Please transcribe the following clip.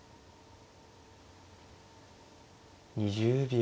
２０秒。